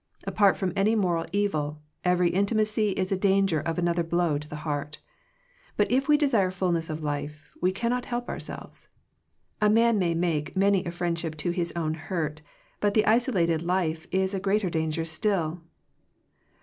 Apart from any moral evil, every intimacy is a danger of another blow to the heart. But if we desire fullness of life, we cannot help ourselves. A man may make many a friendship to his own hurt, but the iso ilated life is a greater danger still.